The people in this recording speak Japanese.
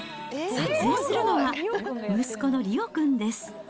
撮影するのは、息子のリオ君です。